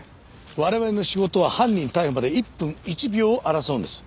我々の仕事は犯人逮捕まで１分１秒を争うんです。